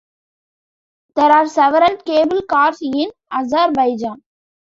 There are several cable cars in Azerbaijan.